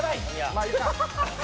まあいいか。